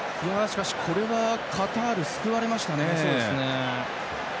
しかし、これはカタールは救われました。